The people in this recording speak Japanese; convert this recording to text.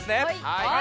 はい！